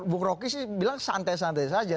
buk rocky sih bilang santai santai saja